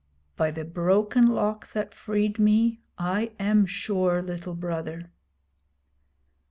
'By the Broken Lock that freed me, I am sure, Little Brother.'